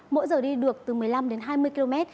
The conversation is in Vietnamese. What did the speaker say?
mỗi giờ đi được từ một mươi năm đến hai mươi km